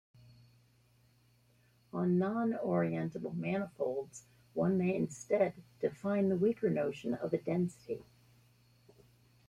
On non-orientable manifolds, one may instead define the weaker notion of a density.